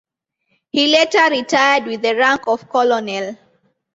He later retired with the rank of Colonel.